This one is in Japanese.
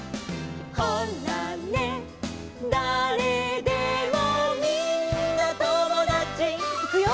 「ほらね誰でもみんなともだち」いくよ！